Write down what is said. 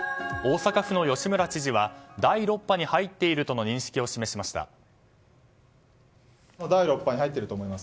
大阪府の吉村知事は第６波に入っているとの認識を示しました。